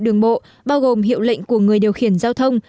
đường bộ bao gồm hiệu lệnh của người điều khiển giao thông